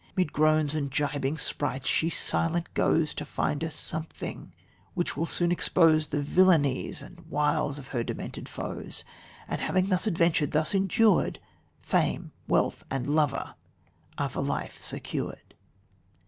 Mid groans and gibing sprites she silent goes To find a something which will soon expose The villainies and wiles of her determined foes, And having thus adventured, thus endured, Fame, wealth, and lover, are for life secured."